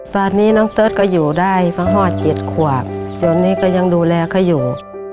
ตอนนี้น้องเติร์ทก็อยู่ได้เพราะฮอด๗ขวบตอนนี้ก็ยังดูแลเขาอยู่